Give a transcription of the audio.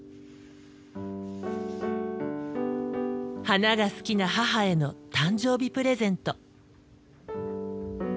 花が好きな母への誕生日プレゼント。